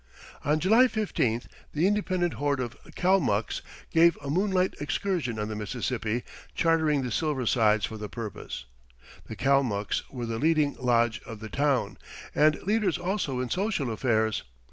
On July 15 the Independent Horde of Kalmucks gave a moonlight excursion on the Mississippi, chartering the Silver Sides for the purpose. The Kalmucks were the leading lodge of the town, and leaders also in social affairs.